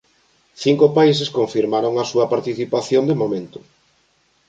Cinco países confirmaron a súa participación de momento.